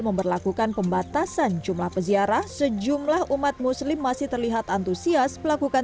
memperlakukan pembatasan jumlah peziarah sejumlah umat muslim masih terlihat antusias melakukan